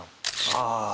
ああ。